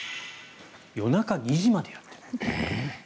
夜中２時までやっている。